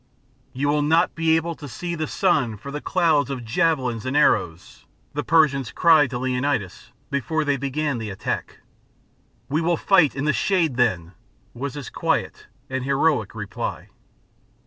" You will not be able to see the sun for the clouds of javelins and arrows," the Persians cried to Leonids, before they began the attack. " We will fight in the shade then," was his quiet and heroic reply.